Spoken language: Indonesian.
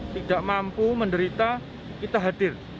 tidak mampu menderita kita hadir